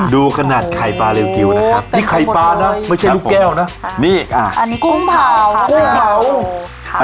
ดูขนาดไข่ปลาริวกิวนะครับนี่ไข่ปลานะไม่ใช่ลูกแก้วนะอันนี้กุ้งเผา